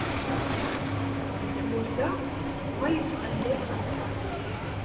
Deg tmurt-a, wa yesɣallay ɣef wa.